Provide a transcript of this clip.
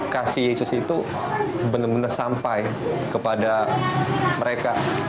kasih yesus itu benar benar sampai kepada mereka